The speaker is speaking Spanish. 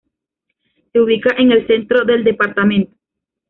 Se ubica en el centro del departamento.